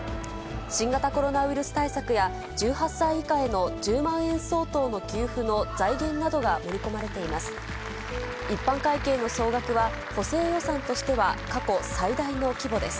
新型コロナウイルス対策や１８歳以下への１０万円相当の給付の財源などが盛り込まれています。